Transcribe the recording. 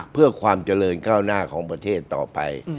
เพื่อความเจริญก้าวหน้าของประเทศต่อไป